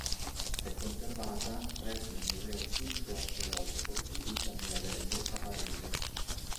È conservata presso il Museo civico archeologico di Villa Mirabello a Varese.